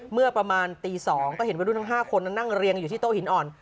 เมื่อประมาณตี๒ก็เห็นวัยรุ่นทั้ง๕คนนั้นนั่งเรียงอยู่ที่โต๊ะหินอ่อน